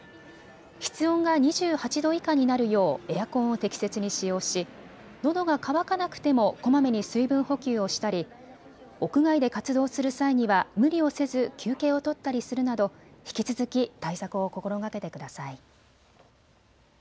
室温が２８度以下になるようエアコンを適切に使用しのどが渇かなくてもこまめに水分補給をしたり屋外で活動する際には無理をせず休憩を取ったりするなど引き続き対策を心がけてください。